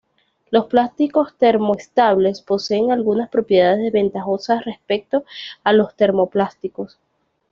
Los plásticos termoestables poseen algunas propiedades ventajosas respecto a los termoplásticos.